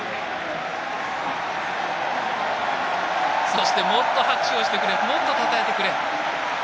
そして、もっと拍手をしてくれもっと、たたえてくれ。